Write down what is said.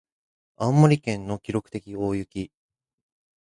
青森県の記録的大雪